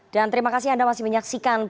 dan terima kasih anda masih menyaksikan